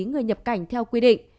người nhập cảnh theo quy định